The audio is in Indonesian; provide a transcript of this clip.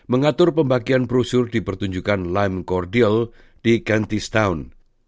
mengatur pembagian brosur di pertunjukan lime cordial di gantistown